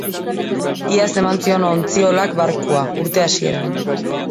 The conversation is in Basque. Iaz eman zion ontziolak barkua, urte hasieran.